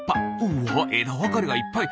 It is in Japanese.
うわえだわかれがいっぱい。